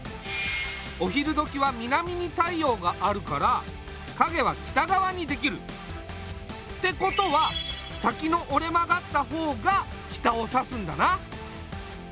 お昼どきは南に太陽があるからかげは北がわにできる。ってことは先のおれ曲がった方が北を指すんだな。